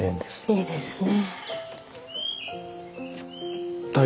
いいですね。